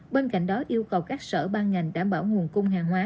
bên cạnh đó yêu cầu các sở ban ngành đảm bảo nguồn cung hàng hóa